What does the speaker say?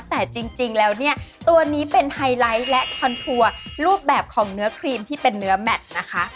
แต่จริงแล้วเนี่ยตัวนี้เป็นไฮไลท์และคอนทัวร์รูปแบบของเนื้อครีมที่เป็นเนื้อแมทนะคะ